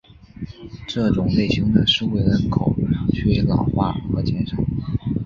这种类型的社会人口趋于老化和减少。